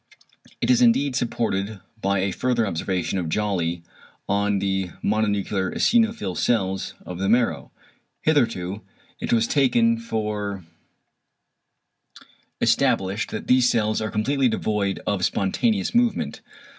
It is indeed supported by a further observation of Jolly on the mononuclear eosinophil cells of the marrow. Hitherto it was taken for established that these cells are completely devoid of spontaneous movement.